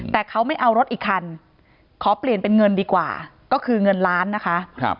แต่เขาไม่เอารถอีกคันขอเปลี่ยนเป็นเงินดีกว่าก็คือเงินล้านนะคะ